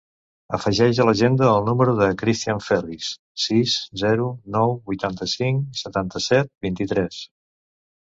Afegeix a l'agenda el número del Cristián Ferris: sis, zero, nou, vuitanta-cinc, setanta-set, vint-i-tres.